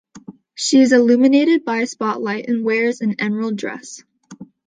She is illuminated by a spotlight and wears an emerald dress.